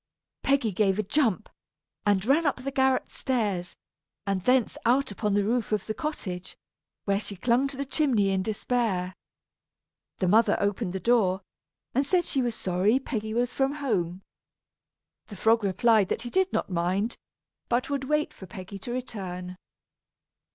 Peggy gave a jump, and ran up the garret stairs, and thence out upon the roof of the cottage, where she clung to the chimney in despair. The mother opened the door, and said she was sorry Peggy was from home. The frog replied that he did not mind, but would wait for Miss Peggy to return.